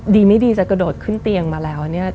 ดีไม่ดีจะกระโดดขึ้นเตียงมาแล้วเนี่ย